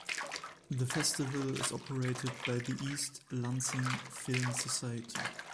The festival is operated by the East Lansing Film Society.